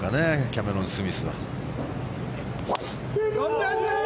キャメロン・スミスは。